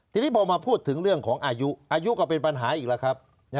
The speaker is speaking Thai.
ทีนี้พอมาพูดถึงเรื่องของอายุอายุก็เป็นปัญหาอีกแล้วครับ